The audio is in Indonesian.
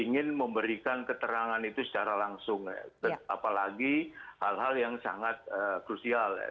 ingin memberikan keterangan itu secara langsung apalagi hal hal yang sangat krusial